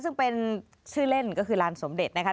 ซึ่งเป็นชื่อเล่นก็คือลานสมเด็จนะคะ